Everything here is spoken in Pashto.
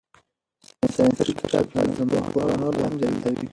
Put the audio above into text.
ساینسي کشفیات زموږ پوهه نوره هم زیاتوي.